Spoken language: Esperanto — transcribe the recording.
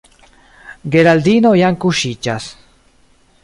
Geraldino jam kuŝiĝas.